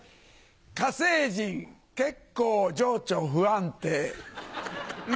火星人結構情緒不安定涙